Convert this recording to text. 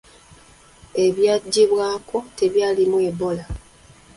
Ebyaggyibwako tebyalimu Ebola.